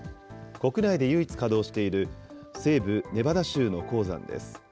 国内で唯一稼働している、西部ネバダ州の鉱山です。